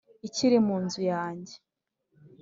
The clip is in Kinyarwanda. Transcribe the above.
ikiri mu nzu yanjye